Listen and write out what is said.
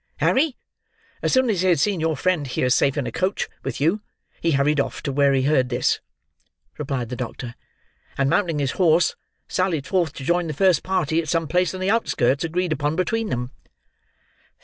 "Harry? As soon as he had seen your friend here, safe in a coach with you, he hurried off to where he heard this," replied the doctor, "and mounting his horse sallied forth to join the first party at some place in the outskirts agreed upon between them."